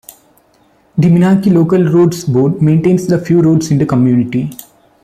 The Minaki Local Roads Board maintains the few roads in the community.